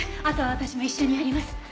あとは私も一緒にやります。